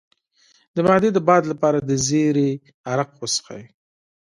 د معدې د باد لپاره د زیرې عرق وڅښئ